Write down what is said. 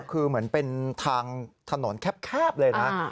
คือเหมือนเป็นทางถนนแคบเลยนะ